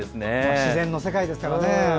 自然の世界ですからね。